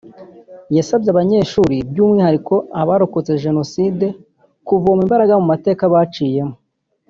yasabye abanyeshuri by’umwihariko abarokotse Jenoside kuvoma imbaraga mu mateka baciyemo